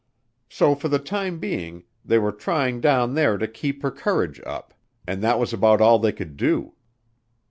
So for the time being they were trying down there to keep her courage up, and that was about all they could do."